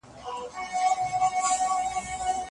کمپيوټر ډرامه جوړوي.